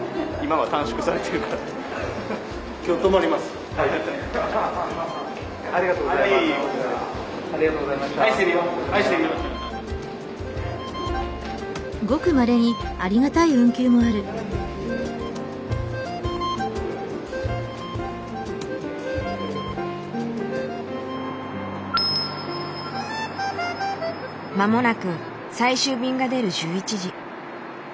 間もなく最終便が出る１１時。